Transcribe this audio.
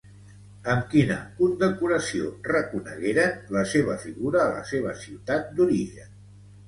Amb quina condecoració reconegueren la seva figura a la seva ciutat d'origen?